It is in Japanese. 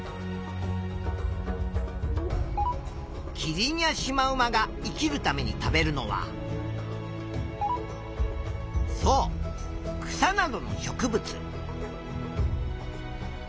キリンやシマウマが生きるために食べるのはそう草などの植物。